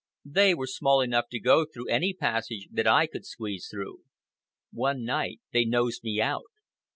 They were small enough to go through any passage that I could squeeze through. One night they nosed me out.